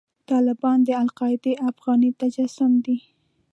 طالبان د القاعده افغاني تجسم دی.